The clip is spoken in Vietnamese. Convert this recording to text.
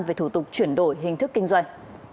về thủ tục chuyển đổi hình thức kinh doanh